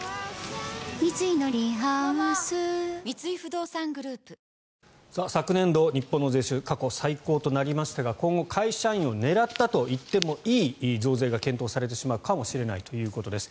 日本円ベースで見ると確かに税収が増えているんですが昨年度、日本の税収過去最高となりましたが今後、会社員を狙ったといってもいい増税が検討されてしまうかもしれないということです。